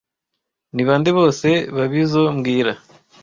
Ni bande bose babizo mbwira